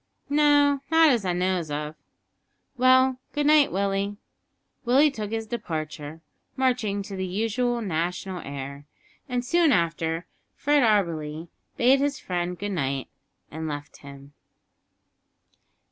"No, not as I knows of." "Well, good night, Willie." Willie took his departure, marching to the usual national air, and soon after Fred Auberly bade his friend good night and left him.